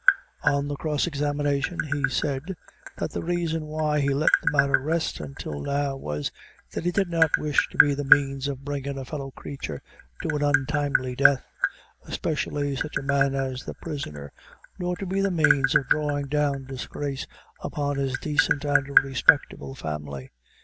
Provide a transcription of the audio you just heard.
On the cross examination he said, that the reason why he let the matter rest until now was, that he did not wish to be the means of bringin' a fellow creature to an untimely death, especially such a man as the prisoner, nor to be the means of drawing down disgrace upon his decent and respectable family.